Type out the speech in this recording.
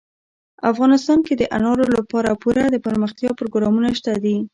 افغانستان کې د انارو لپاره پوره دپرمختیا پروګرامونه شته دي.